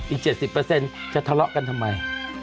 อีก๗๐จะทะเลาะกันทำไม